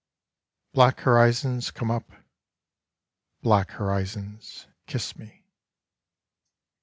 Black horizons, come up. Black horizons, kiss me.